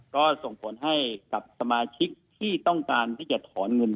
ก็ส่งผลให้กับสมาชิกที่ต้องการที่จะถอนเงิน